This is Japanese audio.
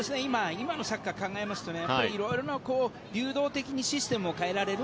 今のサッカーを考えますと色々な流動的にシステムを変えられる。